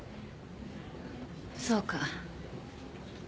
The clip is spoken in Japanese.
そうか。